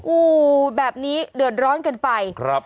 อู้แบบนี้เดือดร้อนกันไปครับ